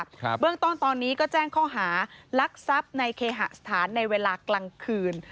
เบื้องต้นตอนนี้ก็แจ้งข้อหารักทรัพย์ในเคหสถานในเวลากลางคืน